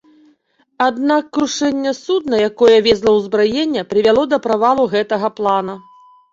Аднак крушэнне судна, якое везла ўзбраенне, прывяло да правалу гэтага плана.